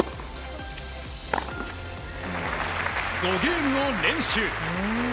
５ゲームを連取！